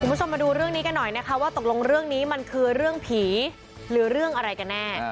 คุณผู้ชมมาดูเรื่องนี้กันหน่อยนะคะว่าตกลงเรื่องนี้มันคือเรื่องผีหรือเรื่องอะไรกันแน่